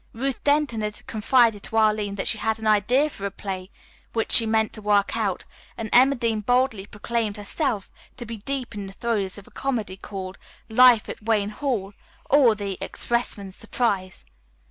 Ruth Denton had confided to Arline that she had an idea for a play which she meant to work out, and Emma Dean boldly proclaimed herself to be deep in the throes of a comedy called "Life at Wayne Hall; or, the Expressman's Surprise."